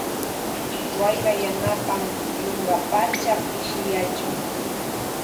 Wayra yanapan yunkapacha pishiyachun.